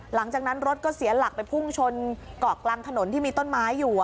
หลังจากนั้นรถก็เสียหลักไปพุ่งชนเกาะกลางถนนที่มีต้นไม้อยู่